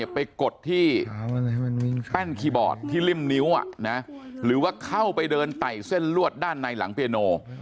กดที่แป้นคีย์บอร์ดที่ริ่มนิ้วหรือว่าเข้าไปเดินไต่เส้นลวดด้านในหลังเปียโน